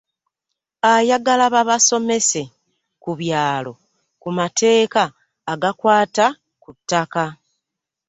Ayagala babasomese ku byalo ku mateeka agakwata ku ttaka